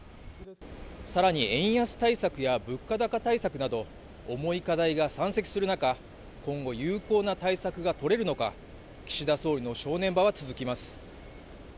更に円安対策や物価高対策など重い課題が山積する中、今後有効な対策がとれるのか岸田総理の正念場は続きます。